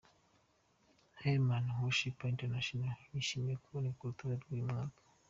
Heman worshipers International yishimiye kuboneka ku rutonde rw'uyu mwaka.